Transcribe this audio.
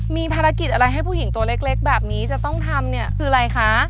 มีภารกิจอะไรให้ผู้หญิงตัวเล็กแบบนี้จะต้องทำเนี่ยคืออะไรคะ